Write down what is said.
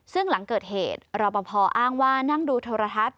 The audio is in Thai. ซึ่งหลังเกิดเหตุรอปภอ้างว่านั่งดูโทรทัศน์